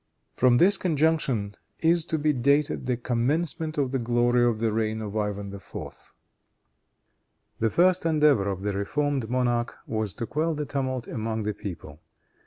From this conjunction is to be dated the commencement of the glory of the reign of Ivan IV. The first endeavor of the reformed monarch was to quell the tumult among the people.